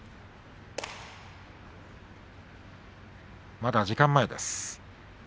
まだ時間前です。